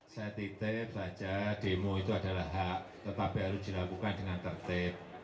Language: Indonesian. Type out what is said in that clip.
saya titip saja demo itu adalah hak tetapi harus dilakukan dengan tertib